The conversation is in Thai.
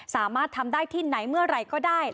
สามารถทำได้ที่ไหนเมื่อไหร่ก็ได้